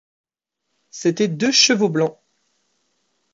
C'étaient deux chevaux blancs.